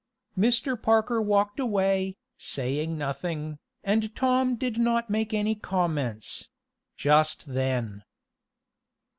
Mr. Parker walked away, saying nothing, and Tom did not make any comments just then.